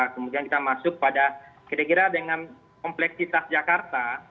kemudian kita masuk pada kira kira dengan kompleksitas jakarta